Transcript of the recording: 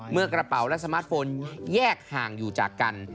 กระเป๋าและสมาร์ทโฟนแยกห่างอยู่จากกัน